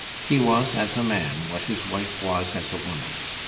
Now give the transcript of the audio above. He was as a man what his wife was as a woman.